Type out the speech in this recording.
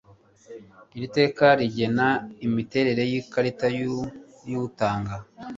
iri teka rigena imiterere y ikarita y utanga